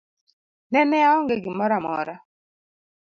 Nene aonge gimoro amora.